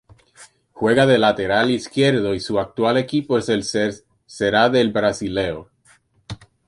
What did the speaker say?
Juega de lateral izquierdo y su actual equipo es el Ceará del Brasileirão.